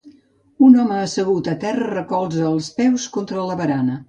Un home assegut a terra recolza els peus contra la barana.